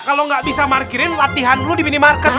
kalau gak bisa markirin latihan lo di minimarket